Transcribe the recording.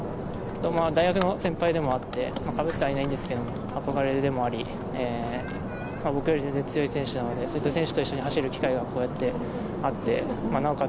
大学の先輩でもあって、かぶってはいないんですけれども、憧れでもあり、僕より全然強い選手なのでそういった選手と一緒に走る機会があってなおかつ